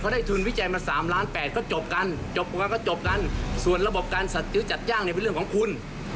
แต่ว่ากองทัพก็ยังไม่เป็นผู้เสียหายในกรณีนี้